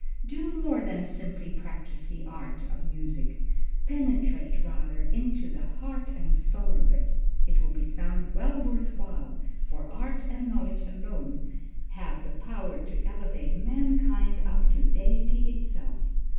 "Do more than simply practice the art (of music), penetrate rather, into the heart and soul of it. It will be found well worth while, for art and knowledge alone have the power to elevate mankind up to Deity itself.